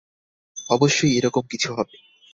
অবশ্যই এরকম কিছু হবে।